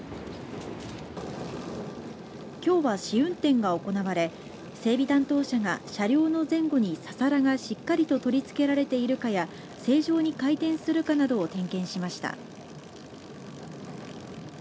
きょうは試運転が行われ整備担当者が車両の前後にササラがしっかりと取り付けられているかや正常に回転するかなどを点検しました。